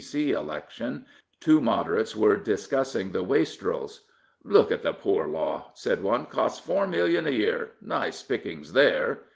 C.C. election two Moderates were discussing the " Wastrels." " Look at the Poor Law," said one. Costs four millions a year. Nice pickings there."